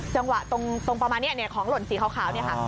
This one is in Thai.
จังหวะตรงประมาณนี้ของหล่นสีขาวเนี่ยค่ะ